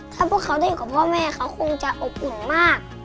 ถ้าพวกเขาได้อยู่กับพ่อแม่เขาคงจะอบอุ่นมาก